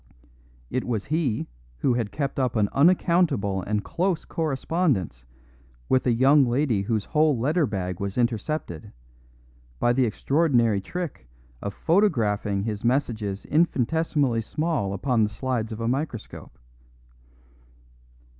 It was he who had kept up an unaccountable and close correspondence with a young lady whose whole letter bag was intercepted, by the extraordinary trick of photographing his messages infinitesimally small upon the slides of a microscope.